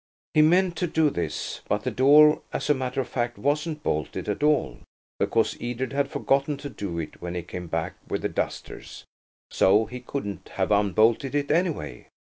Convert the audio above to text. He meant to do this, but the door, as a matter of fact, wasn't bolted at all, because Edred had forgotten to do it when he came back with the dusters, so he couldn't have unbolted it anyway.